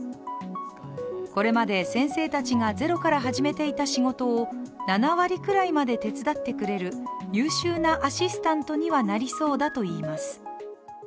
これまで先生たちが０から始めていた仕事を７割くらいまで手伝ってくれる優秀なアシスタントにはなりそうだといいます